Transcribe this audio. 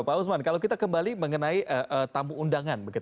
pak usman kalau kita kembali mengenai tamu undangan